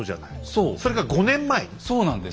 そうそうなんです。